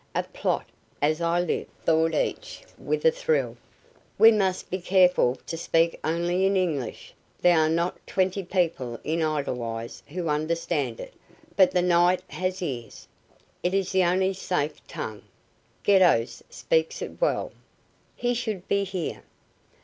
"A plot, as I live," thought each, with a thrill. "We must be careful to speak only in English. There are not twenty people in Edelweiss who understand it, but the night has ears. It is the only safe tongue. Geddos speaks it well. He should be here."